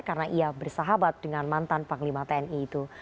karena ia bersahabat dengan mantan panglima tni itu